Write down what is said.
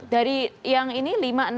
dari yang ini lima enam tujuh delapan